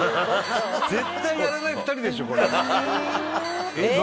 絶対やらない２人でしょ。